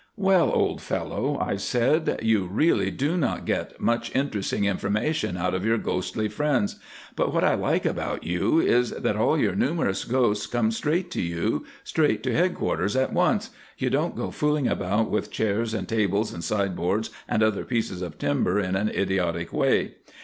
"Well, old fellow," I said, "you really do not get much interesting information out of your ghostly friends, but what I like about you is that all your numerous ghosts come straight to you, straight to head quarters at once—you don't go fooling about with chairs and tables and sideboards and other pieces of timber in an idiotic way.